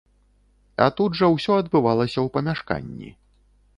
А тут жа ўсё адбывалася ў памяшканні.